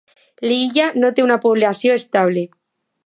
L'illa no té una població estable.